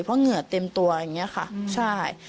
เพราะเหงื่อเต็มตัวอย่างนี้ค่ะใช่